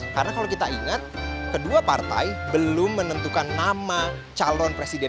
karena kalau kita ingat kedua partai belum menentukan nama calon presiden